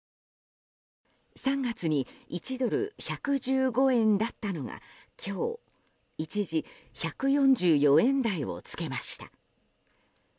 ３月に１ドル＝１１５円だったのが今日、一時１４４円台を付けました。